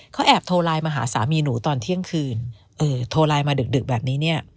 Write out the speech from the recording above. เขาแอบโทรไลน์มาหาสามีหนูตอนเที่ยงคืนเออโทรไลน์มาดึกแบบนี้เนี่ย